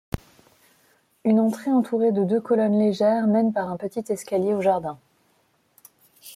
Une entrée entourée de deux colonnes légères mène par un petit escalier au jardin.